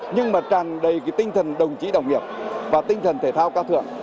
nhưng mà tràn đầy cái tinh thần đồng chí đồng nghiệp và tinh thần thể thao cao thượng